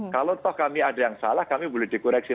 kalau toh kami ada yang salah kami boleh dikoreksi